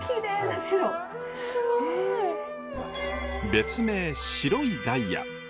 別名白いダイヤ。